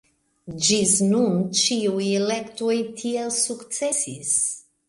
Ĝis nun ĉiuj elektoj tiel sukcesis.